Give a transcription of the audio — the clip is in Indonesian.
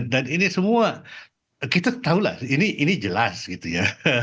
dan ini semua kita tahulah ini jelas gitu ya